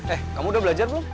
eh kamu udah belajar belum